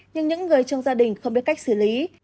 nhưng những người trong gia đình không biết cách xử lý